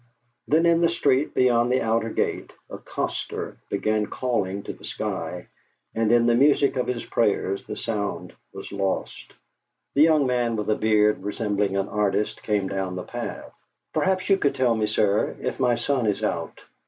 Then in the street beyond the outer gate a coster began calling to the sky, and in the music of his prayers the sound was lost. The young man with a beard, resembling an artist, came down the path. "Perhaps you could tell me, sir, if my son is out?"